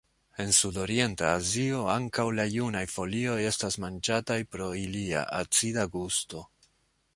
En sudorienta Azio ankaŭ la junaj folioj estas manĝataj pro ilia acida gusto.